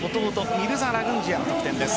ミルザ・ラグンジヤの得点です。